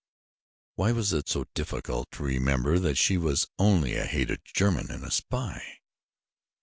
Why was it so difficult to remember that she was only a hated German and a spy?